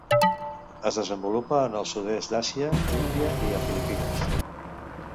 Es desenvolupa en el sud-est d'Àsia, Índia i a Filipines.